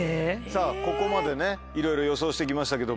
さぁここまでねいろいろ予想して来ましたけども。